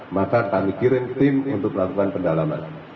maka kami kirim tim untuk melakukan pendalaman